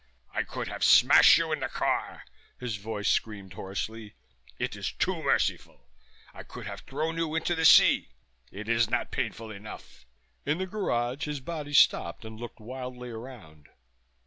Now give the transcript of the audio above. "I could have smashed you in the car!" his voice screamed hoarsely. "It is too merciful. I could have thrown you into the sea! It is not painful enough." In the garage his body stopped and looked wildly around.